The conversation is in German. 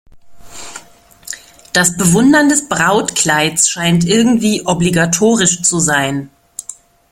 Das Bewundern des Brautkleids scheint irgendwie obligatorisch zu sein.